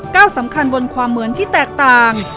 สำคัญบนความเหมือนที่แตกต่าง